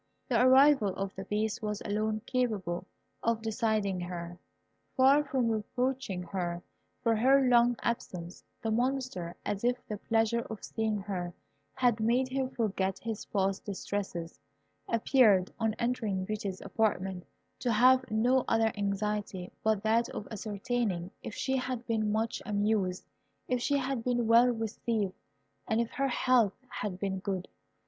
The arrival of the Beast was alone capable of deciding her. Far from reproaching her for her long absence, the Monster, as if the pleasure of seeing her had made him forget his past distresses, appeared, on entering Beauty's apartment, to have no other anxiety but that of ascertaining if she had been much amused, if she had been well received, and if her health had been good.